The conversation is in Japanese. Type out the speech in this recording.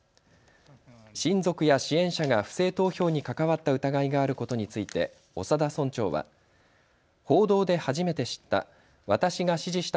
親族や支援者が不正投票に関わった疑いがあることについて長田村長は報道で初めて知った。